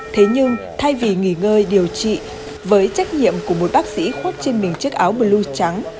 thế nhưng thay vì nghỉ ngơi điều trị với trách nhiệm của một bác sĩ khuất trên mình chiếc áo blue trắng